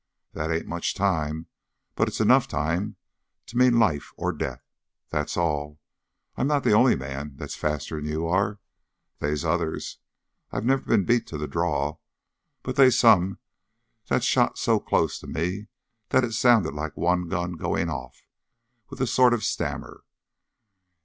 That ain't much time, but it's enough time to mean life or death! That's all! I'm not the only man that's faster'n you are. They's others. I've never been beat to the draw, but they's some that's shot so close to me that it sounded like one gun going off with a sort of a stammer.